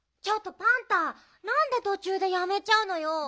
ちょっとパンタなんでとちゅうでやめちゃうのよ。